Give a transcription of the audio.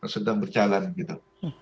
sedang berjalan gitu